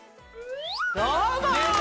どうも！